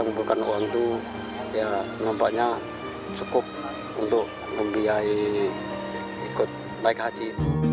mengumpulkan uang itu ya nampaknya cukup untuk membiayai ikut naik haji